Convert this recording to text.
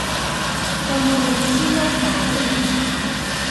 Tamuɣli s imal teɣḍem.